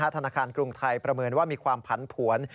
ธนาคารกรุงไทยประเมินว่ามีความผันผวน